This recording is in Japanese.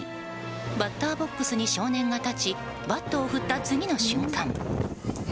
バッターボックスに少年が立ちバットを振った次の瞬間